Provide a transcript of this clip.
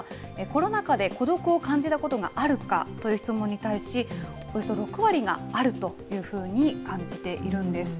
コロナ禍で孤独を感じたことがあるかという質問に対し、およそ６割があるというふうに感じているんです。